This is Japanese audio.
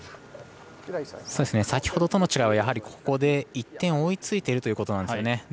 先ほどとの違いはここで１点追いついているということなんですよね。